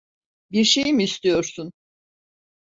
Bir şey mi istiyorsun?